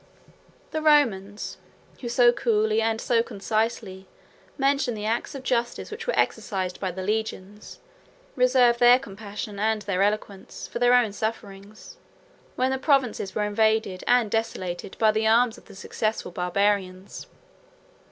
] The Romans, who so coolly, and so concisely, mention the acts of justice which were exercised by the legions, 99 reserve their compassion, and their eloquence, for their own sufferings, when the provinces were invaded, and desolated, by the arms of the successful Barbarians.